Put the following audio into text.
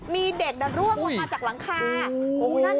มีเด็กดาร่วมออกมาจากหลังคาก